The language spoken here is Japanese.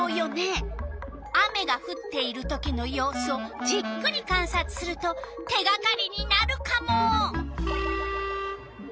雨がふっているときのようすをじっくりかんさつすると手がかりになるカモ！